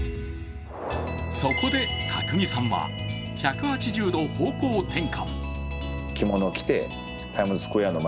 そこで宅見さんは、１８０度方向転換。